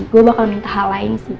gue akan minta hal lain sih